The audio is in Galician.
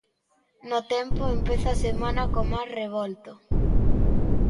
No tempo, empeza a semana co mar revolto.